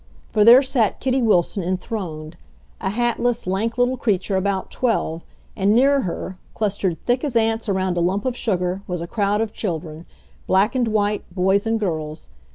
For there sat Kitty Wilson enthroned, a hatless, lank little creature about twelve, and near her, clustered thick as ants around a lump of sugar, was a crowd of children, black and white, boys and girls.